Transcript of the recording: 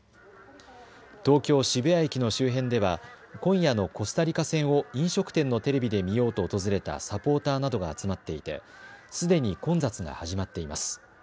東京渋谷駅の周辺では今夜のコスタリカ戦を飲食店のテレビで見ようと訪れたサポーターなどが集まっていてすでに混雑が始まっています。